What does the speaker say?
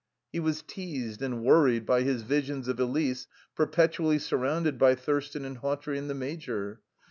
He was teased and worried by his visions of Elise perpetually surrounded by Thurston and Hawtrey and the Major.